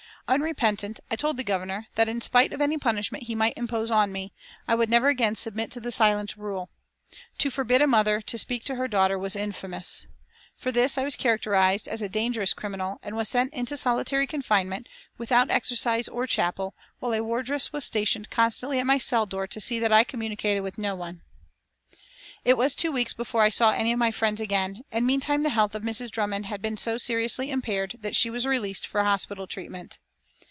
Unrepentant, I told the Governor that, in spite of any punishment he might impose on me, I would never again submit to the silence rule. To forbid a mother to speak to her daughter was infamous. For this I was characterised as a "dangerous criminal" and was sent into solitary confinement, without exercise or chapel, while a wardress was stationed constantly at my cell door to see that I communicated with no one. [Illustration: MRS. PANKHURST AND MISS CHRISTABEL PANKHURST IN PRISON DRESS] It was two weeks before I saw any of my friends again, and meantime the health of Mrs. Drummond had been so seriously impaired that she was released for hospital treatment.